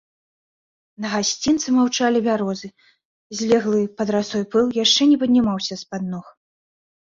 На гасцінцы маўчалі бярозы, злеглы пад расой пыл яшчэ не паднімаўся з-пад ног.